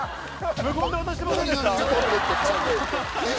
無言で渡してませんでした？